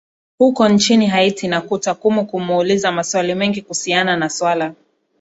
huko nchini haiti na kuta kumu kumuuliza maswali mengi kuhusiana na swala